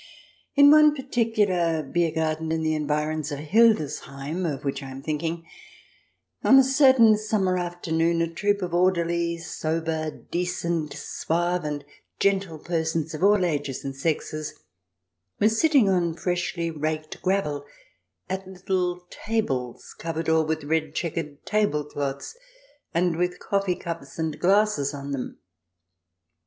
In one particular Bier Garten in the environs ol Hildesheim of which I am thinking, on a certain summer afternoon a troop of orderly, sober, decent, suave and gentle persons of all ages and sexes were sitting on freshly raked gravel, at little tables covered all with red chequered table cloths and with coffee cups and glasses on them.